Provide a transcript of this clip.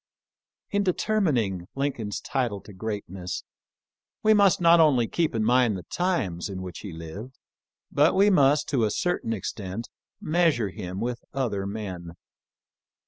In determining Lincoln's title to greatness we must not only keep in mind the times in which he lived, but we must, to a certain extent, measure him with other men.